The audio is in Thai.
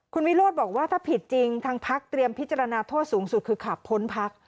คุณวิโรธบอกว่าถ้าผิดจริงทางพักเตรียมพิจารณาโทษสูงสุดคือขับพ้นพัก